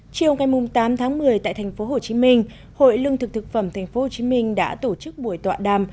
chiều ngày tám tháng một mươi tại tp hcm hội lương thực thực phẩm tp hcm đã tổ chức buổi tọa đàm